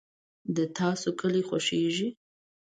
د تاسو کلي خوښیږي؟